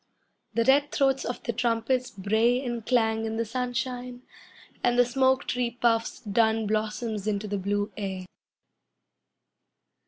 The red throats of the trumpets bray and clang in the sunshine, And the smoke tree puffs dun blossoms into the blue air.